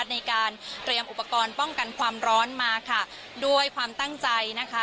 เตรียมอุปกรณ์ป้องกันความร้อนมาค่ะด้วยความตั้งใจนะคะ